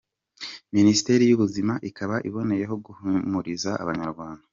Minisiteri y’Ubuzima ikaba iboneyeho guhumuriza abanyarwanda